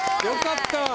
よかった！